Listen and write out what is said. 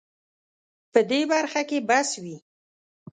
په دې برخه کې بس وي